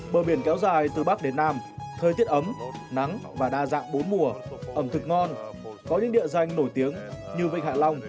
bờ biển kéo dài từ bắc đến nam thời tiết ấm nắng và đa dạng bốn mùa ẩm thực ngon có những địa danh nổi tiếng như vịnh hạ long